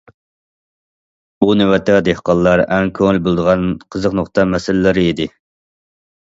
بۇ نۆۋەتتە دېھقانلار ئەڭ كۆڭۈل بۆلىدىغان قىزىق نۇقتا مەسىلىلىرى ئىدى.